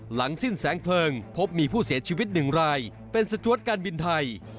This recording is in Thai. หลังสิ้นแสงเพลิงพบมีผู้เสียชีวิตหนึ่งรายเป็นสจวดการบินไทย